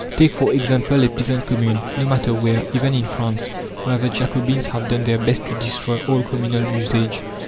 Take for example a peasant commune, no matter where, even in France, where the Jacobins have done their best to destroy all communal usage.